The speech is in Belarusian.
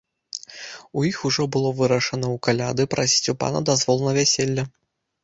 У іх ужо было вырашана ў каляды прасіць у пана дазвол на вяселле.